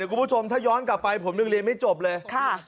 คุณผู้ชมถ้าย้อนกลับไปผมยังเรียนไม่จบเลย